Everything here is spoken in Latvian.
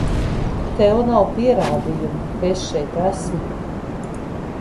Tev nav pierādījumu, ka es šeit esmu!